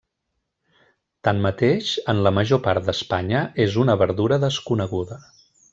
Tanmateix, en la major part d'Espanya és una verdura desconeguda.